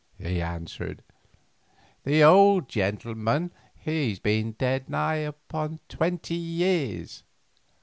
he answered. "The old gentleman he's been dead nigh upon twenty years.